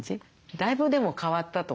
だいぶでも変わったと思います。